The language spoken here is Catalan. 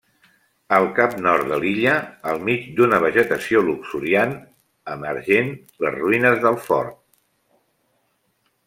Al cap nord de l'illa, al mig d'una vegetació luxuriant, emergent les ruïnes del fort.